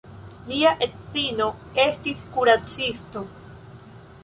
Lia edzino estis kuracisto.